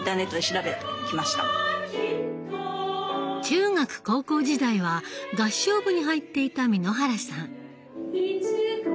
中学高校時代は合唱部に入っていた簑原さん。